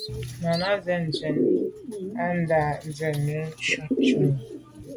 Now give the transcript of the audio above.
Náná cɛ̌d tswî á ndǎ’ nə̀ tswì ŋkʉ̀n shúnī.